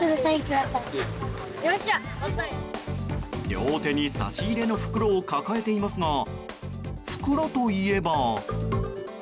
両手に差し入れの袋を抱えていますが袋といえば。